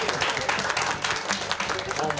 どうも。